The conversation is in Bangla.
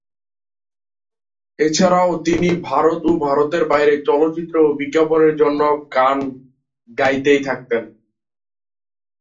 এছাড়াও তিনি ভারত ও ভারতের বাইরের চলচ্চিত্র ও বিজ্ঞাপনের জন্য গান গাইতে থাকেন।